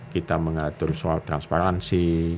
kita mengatur soal transparansi